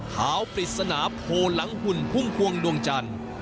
ขาวปริศนาโพหลังหุ่นพุ่มพวงดวงจันทร์